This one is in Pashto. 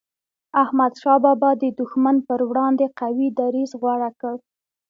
احمد شاه بابا د دښمن پر وړاندي قوي دریځ غوره کړ.